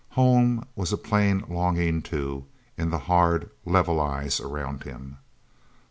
Home was a plain longing, too, in the hard, level eyes around him.